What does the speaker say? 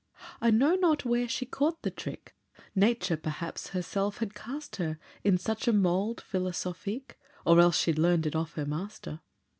I know not where she caught the trick Nature perhaps herself had cast her In such a mould philosophique, Or else she learn'd it of her master.